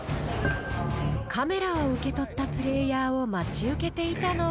［カメラを受け取ったプレイヤーを待ち受けていたのは］